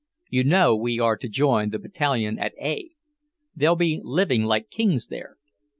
"You know we are to join the Battalion at A . They'll be living like kings there.